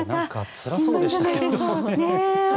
つらそうでしたけどね。